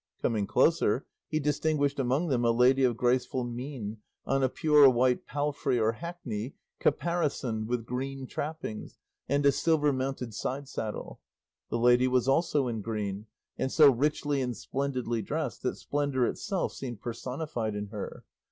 Coming closer, he distinguished among them a lady of graceful mien, on a pure white palfrey or hackney caparisoned with green trappings and a silver mounted side saddle. The lady was also in green, and so richly and splendidly dressed that splendour itself seemed personified in her.